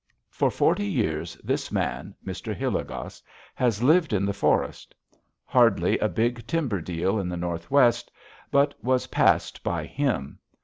For forty years this man, Mr. Hilligoss, has lived in the forest. Hardly a big timber deal in the Northwest but was passed by him.